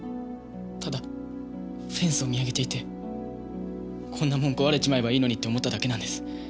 ただフェンスを見上げていてこんなもん壊れちまえばいいのにって思っただけなんです。